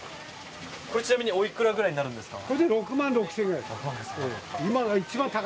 これ、ちなみにおいくらくらいになるんですか？